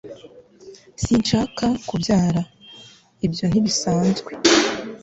sinshaka kubyara. ibyo ntibisanzwe